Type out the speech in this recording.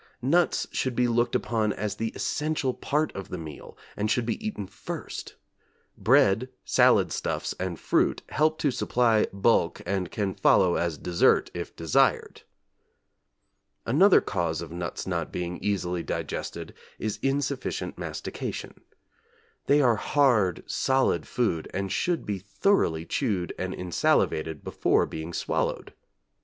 Nuts should be looked upon as the essential part of the meal and should be eaten first; bread, salad stuffs and fruit help to supply bulk and can follow as dessert if desired. Another cause of nuts not being easily digested is insufficient mastication. They are hard, solid food, and should be thoroughly chewed and insalivated before being swallowed.